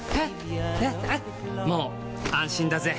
もう安心だぜ！